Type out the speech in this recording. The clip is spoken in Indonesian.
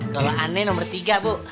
kalau aneh nomor tiga bu